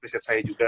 riset saya juga